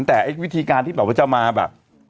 แต่ไอ้วิธีการที่แบบว่าจะมาแบบ